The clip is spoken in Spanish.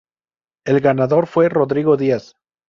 El ganador fue Rodrigo Díaz.